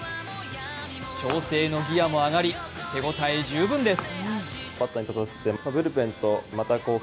調整のギヤも上がり手応え十分です。